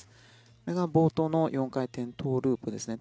これが冒頭の４回転トウループですね。